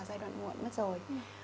giai đoạn muộn mất rồi